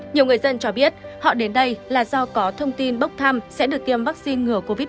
nhiều người dân cho biết họ đến đây là do có thông tin bốc thăm sẽ được tiêm vaccine ngừa covid một mươi chín